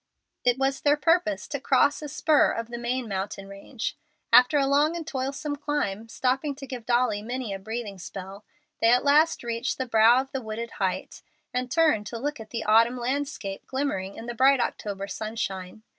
It was their purpose to cross a spur of the main mountain range. After a long and toilsome climb, stopping to give Dolly many a breathing spell, they at last reached the brow of the wooded height, and turned to look at the autumn landscape glimmering in the bright October sunshine.